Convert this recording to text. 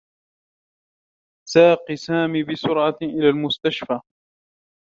ساق سامي بسرعة إلى المستشفى.